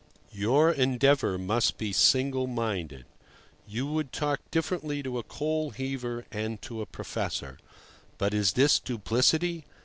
Your endeavour must be single minded. You would talk differently to a coal heaver and to a professor. But is this duplicity?